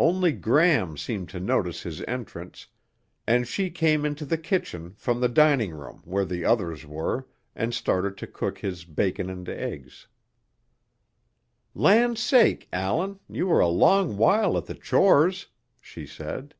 Only Gram seemed to notice his entrance and she came into the kitchen from the dining room where the others were and started to cook his bacon and eggs. "Land sake, Allan, you were a long while at the chores," she said.